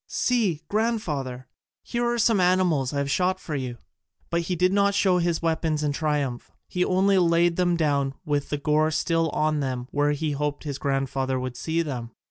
"See, grandfather, here are some animals I have shot for you." But he did not show his weapons in triumph: he only laid them down with the gore still on them where he hoped his grandfather would see them.